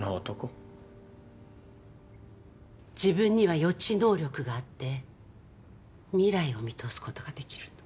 自分には予知能力があって未来を見通すことができると。